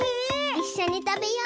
いっしょにたべよう！